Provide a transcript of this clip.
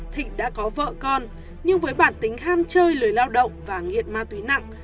thịnh đã có vợ con nhưng với bản tính ham chơi lười lao động và nghiện ma túy nặng